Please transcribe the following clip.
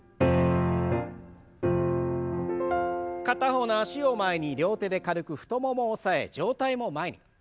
片方の脚を前に両手で軽く太ももを押さえ上体も前に。